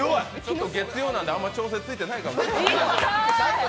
月曜なんであんまり調整ついていないかもしれない。